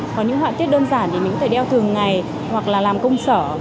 có những họa tiết đơn giản thì mình có thể đeo thường ngày hoặc là làm công sở